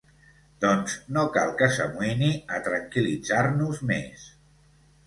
Doncs no cal que s'amoïni a tranquil·litzar-nos més.